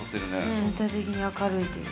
全体的に明るいという。